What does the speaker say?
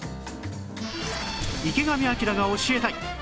池上彰が教えたい！